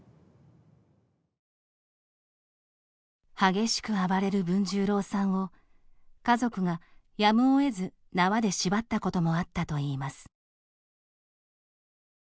激しく暴れる文十郎さんを家族がやむをえず縄で縛ったこともあったといいます。